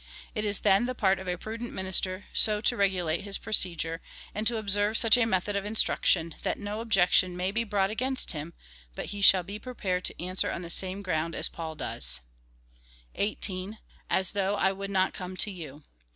It is then the part of a prudent minister so to regulate his procedure, and to observe such a method of instruction, that no such objection may be brought against him, but he shall be prepared to answer on the same ground as Paul does. 18. As though I would not come to you.